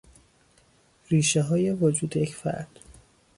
ریشههای وجود یک فرد